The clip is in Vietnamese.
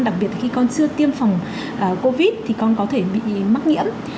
đặc biệt khi con chưa tiêm phòng covid thì con có thể bị mắc nghiện